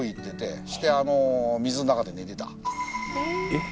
えっ？